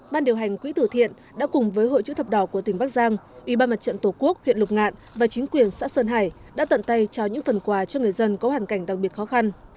ban điều hành quỹ tử thiện đã cùng với hội chữ thập đỏ của tỉnh bắc giang ủy ban mặt trận tổ quốc huyện lục ngạn và chính quyền xã sơn hải đã tận tay trao những phần quà cho người dân có hoàn cảnh đặc biệt khó khăn